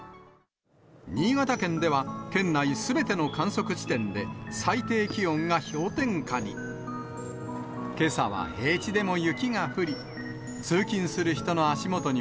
新潟県では、県内すべての観測地点で、最低気温が氷点下に。